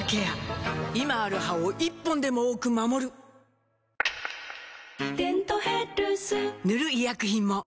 今ある歯を１本でも多く守る「デントヘルス」塗る医薬品も